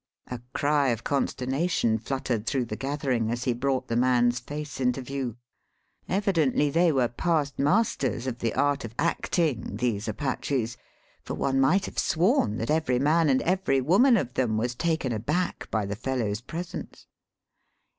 A cry of consternation fluttered through the gathering as he brought the man's face into view. Evidently they were past masters of the art of acting, these Apaches, for one might have sworn that every man and every woman of them was taken aback by the fellow's presence.